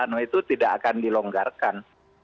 karena itu tidak akan dilonggarkan